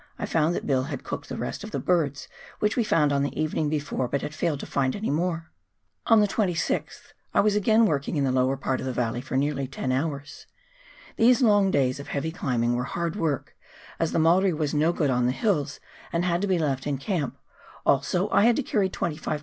I found that Bill had cooked the rest of the birds which we found the evening before, but had failed to find any more. On the 26th I was again working 244 PIONEER WORK IN THE ALPS OF NEW ZEALAND. in the lower part of tlie valley for nearly ten hours. These long days of heavy climbing were hard work, as the Maori was no good on the hills and had to be left in camp, also I had to carry 25 lbs.